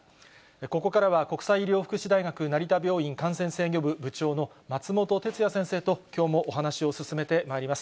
ここからは国際医療福祉大学成田病院感染制御部部長の松本哲哉先生と、きょうもお話を進めてまいります。